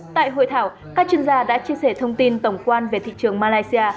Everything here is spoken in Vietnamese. tại hội thảo các chuyên gia đã chia sẻ thông tin tổng quan về thị trường malaysia